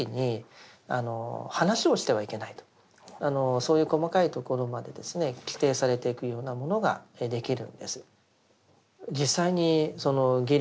そういう細かいところまで規定されていくようなものができるんです。